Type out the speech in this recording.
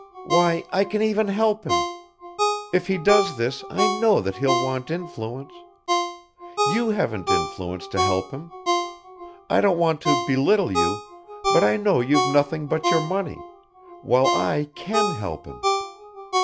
Why, I can even help him. If he does this I know that he'll want influence. You haven't influence to help him. I don't want to belittle you, but I know you've nothing but your money, while I can help him.